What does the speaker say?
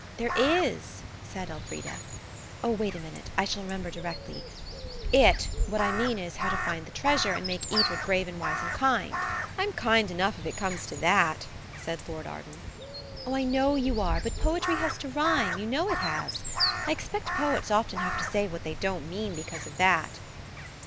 "There is," said Elfrida. "Oh, wait a minute–I shall remember directly. It–what I mean is, how to find the treasure and make Edred brave and wise and kind." "I'm kind enough if it comes to that," said Lord Arden. "Oh, I know you are; but poetry has to rhyme–you know it has. I expect poets often have to say what they don't mean because of that."